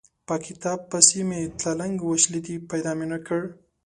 په کتاب پسې مې تلنګې وشلېدې؛ پيدا مې نه کړ.